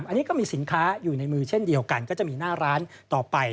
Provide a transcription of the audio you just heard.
อันนี้ก็มีสินค้าอยู่ในมือเช่นเดียวกันก็จะมีหน้าร้านต่อไป